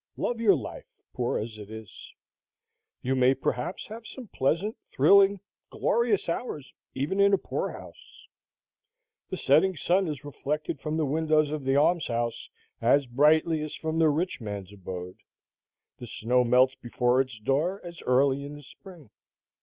Love your life, poor as it is. You may perhaps have some pleasant, thrilling, glorious hours, even in a poor house. The setting sun is reflected from the windows of the alms house as brightly as from the rich man's abode; the snow melts before its door as early in the spring.